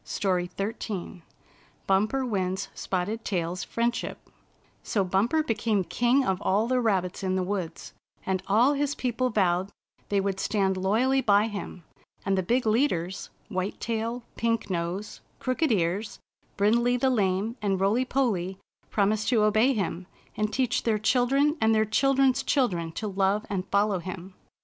STORY XIII BUMPER WINS SPOTTED TAIL's FRIENDSHIP So Bumper became king of all the rabbits in the woods, and all his people vowed they would stand loyally by him, and the big leaders — ^White Tail, Pink Nose, Crooked Ears, Brindley the Lame and Roily Polly — promised to obey him, and teach their children and their children's chil dren to love and follow him.